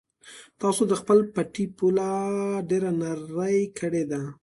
تاسو د خپل پټي پوله ډېره نرۍ کړې ده.